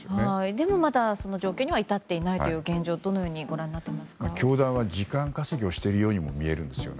でも、まだその状況には至っていない現状を教団は時間稼ぎをしているように見えるんですよね。